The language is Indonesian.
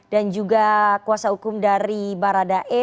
dan juga kuasa hukum dari baradae